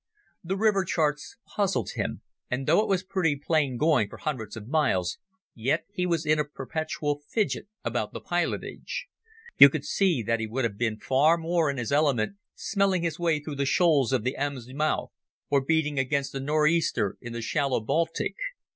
The river charts puzzled him, and though it was pretty plain going for hundreds of miles, yet he was in a perpetual fidget about the pilotage. You could see that he would have been far more in his element smelling his way through the shoals of the Ems mouth, or beating against a northeaster in the shallow Baltic.